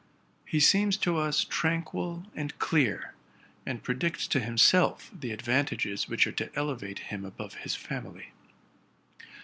He seems to us tranquil and clear, and predicts to himself the advantages which are to elevate him above his family.